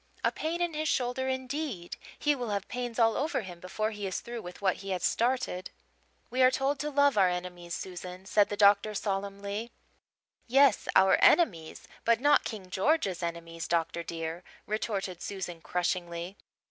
A pain in his shoulder, indeed! He will have pains all over him before he is through with what he has started." "We are told to love our enemies, Susan," said the doctor solemnly. "Yes, our enemies, but not King George's enemies, doctor dear," retorted Susan crushingly.